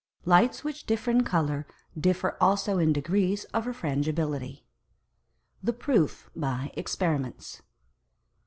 Lights which differ in Colour, differ also in Degrees of Refrangibility. The PROOF by Experiments.